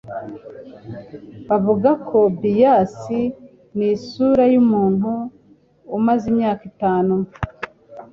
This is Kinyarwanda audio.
bavuga ko bias n'isura y'umuntu umaze imyaka itanu